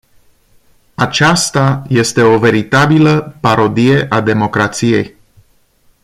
Aceasta este o veritabilă parodie a democrației.